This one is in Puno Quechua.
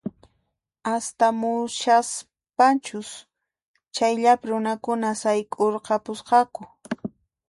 Astamushaspankus chayllapi runakuna sayk'urqapusqaku